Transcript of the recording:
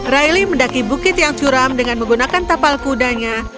raili mendaki bukit yang curam dengan menggunakan tapal kudanya